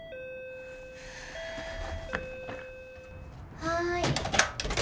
・はい。